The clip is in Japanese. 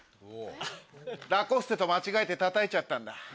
ラコステと間違えてたたいちゃったんだ。